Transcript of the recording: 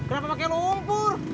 hah kenapa pake lumpur